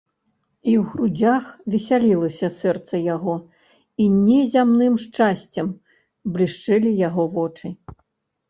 І ў грудзях весялілася сэрца яго, і незямным шчасцем блішчэлі яго вочы.